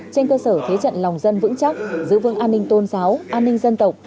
trên cơ sở thế trận lòng dân vững chắc giữ vững an ninh tôn giáo an ninh dân tộc